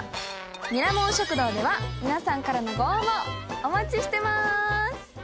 ミラモン食堂では皆さんからのご応募お待ちしてます。